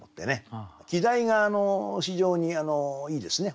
季題が非常にいいですね